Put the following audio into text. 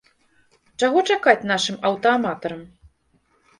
Чаго чакаць нашым аўтааматарам?